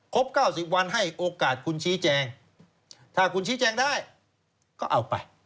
๙๐วันให้โอกาสคุณชี้แจงถ้าคุณชี้แจงได้ก็เอาไป